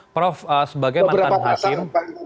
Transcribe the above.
prof sebagai mantan hakim